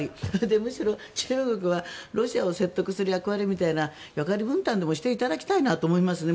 むしろ中国はロシアを説得する役割みたいな役割分担でもしていただきたいなと思いますね